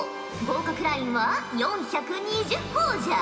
合格ラインは４２０ほぉじゃ。